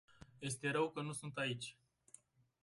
Este rău că nu sunt aici.